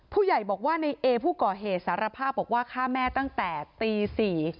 ผู้ใหญ่บอกว่าในเอผู้ก่อเหตุสารภาพบอกว่าฆ่าแม่ตั้งแต่ตี๔